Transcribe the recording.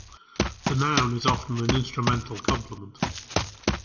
The noun is often an instrumental complement.